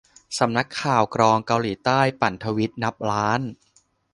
สำนักงานข่าวกรองเกาหลีใต้ ปั่นทวีตนับล้าน